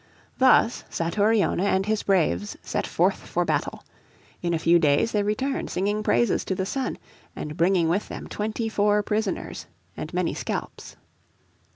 Thus Satouriona and his braves set forth for battle. In a few days they returned singing praises to the Sun, and bringing with them twenty four prisoners and many scalps.